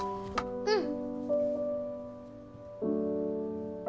うん。